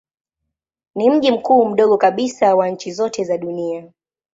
Ni mji mkuu mdogo kabisa wa nchi zote za dunia.